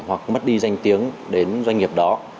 hoặc mất đi danh tiếng đến doanh nghiệp đó